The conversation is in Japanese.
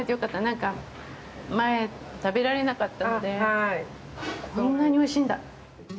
なんか前食べられなかったのでこんなにおいしいんだ。